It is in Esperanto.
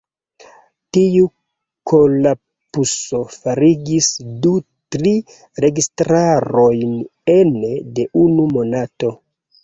Tiu kolapso faligis du-tri registarojn ene de unu monato.